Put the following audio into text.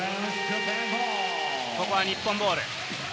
ここは日本ボール。